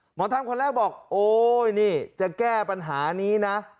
หมอธรรมคนแรกบอกโอ๊ยนี่จะแก้ปัญหานี้นะ